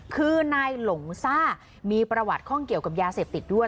คือนายหลงซ่ามีประวัติข้องเกี่ยวกับยาเสพติดด้วย